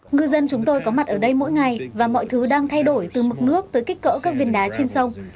ngư dân chúng tôi có mặt ở đây mỗi ngày và mọi thứ đang thay đổi từ mực nước tới kích cỡ các viên đá trên sông